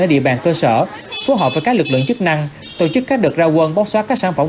ở địa bàn cơ sở phù hợp với các lực lượng chức năng tổ chức các đợt ra quân bóc xóa các sản phẩm